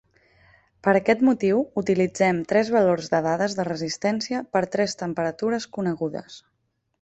Per aquest motiu, utilitzem tres valors de dades de resistència per a tres temperatures conegudes.